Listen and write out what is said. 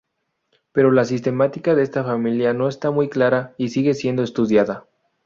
Pero la sistemática de esta familia no está muy clara y sigue siendo estudiada.